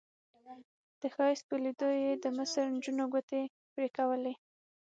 د ښایست په لیدو یې د مصر نجونو ګوتې پرې کولې.